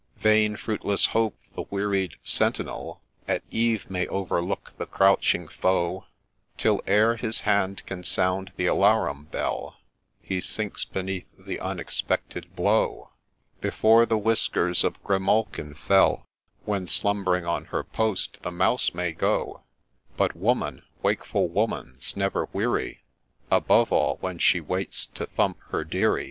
Vain, fruitless hope !— The wearied sentinel At eve may overlook the crouching foe, Till, ere his hand can sound the alarum bell, He sinks beneath the unexpected blow ; Before the whiskers of Grimalkin fell, When slumb'ring on her post, the mouse may go :— But woman, wakeful woman, 's never weary, — Above all, when she waits to thump her deary.